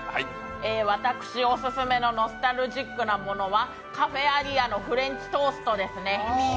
私オススメのノスタルジックなものはＣＡＦＥＡＡＬＩＹＡのフレンチトーストですね。